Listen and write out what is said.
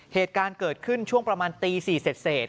เปิดขึ้นช่วงประมาณตี๔เสร็จ